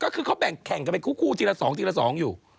คือปล่อยเป็นคู่คู่เหมือน